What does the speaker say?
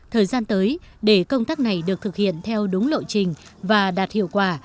thời gian tới để công tác này được thực hiện theo đúng lộ trình và đạt hiệu quả